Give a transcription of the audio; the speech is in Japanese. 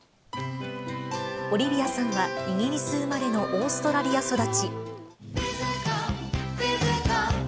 オリビアさんは、イギリス生まれのオーストラリア育ち。